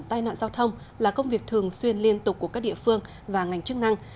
tai nạn giao thông là công việc thường xuyên liên tục của các địa phương và ngành chức năng